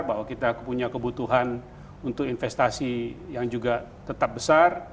bahwa kita punya kebutuhan untuk investasi yang juga tetap besar